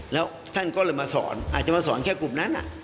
แล้วท่านก็เลยมาสอนอาจจะมาสอนแค่กลุ่มนั้น